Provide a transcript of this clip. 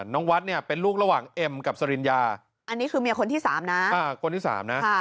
น้องวัดเป็นลูกระหว่างเอ็มกับสริญญาอันนี้คือเมียคนที่๓นะ